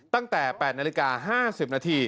ตั้งแต่๘นาฬิกา๕๐นาที